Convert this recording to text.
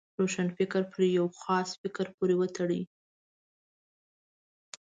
روښانفکري پر یو خاص فکر پورې وتړي.